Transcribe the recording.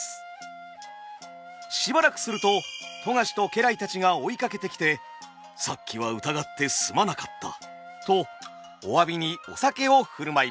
しばらくすると富樫と家来たちが追いかけてきて「さっきは疑ってすまなかった」とお詫びにお酒を振る舞います。